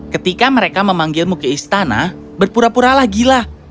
ketika mereka memanggilmu ke istana berpura puralah gila